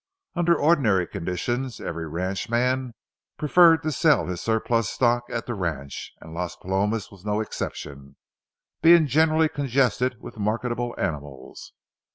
Under ordinary conditions, every ranchman preferred to sell his surplus stock at the ranch, and Las Palomas was no exception, being generally congested with marketable animals.